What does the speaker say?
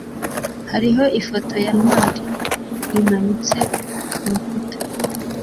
hariho ifoto ya ntwali yimanitse kurukuta